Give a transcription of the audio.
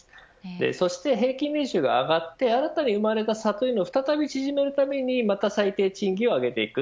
そして平均年収が上がって新たに生まれた差を再び埋めるために最低賃金を上げていく。